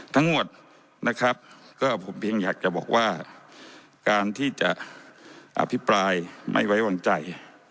ทั้งหมดนะครับก็ผมเพียงอยากจะบอกว่าการที่จะอภิปรายไม่ไว้วางใจ